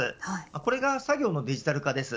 これが作業のデジタル化です。